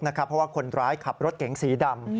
เพราะว่าคนร้ายขับรถเก๋งสีดำ